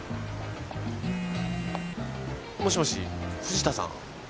もしもし藤田さん？